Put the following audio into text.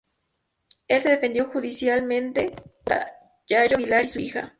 Él se defendió judicialmente contra Yayo Aguila y su hija.